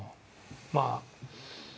まあ。